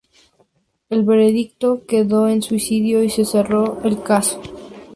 El veredicto quedó en suicidio y se cerró el caso.